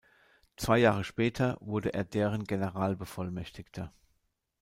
Zwei Jahre später wurde er deren Generalbevollmächtigter.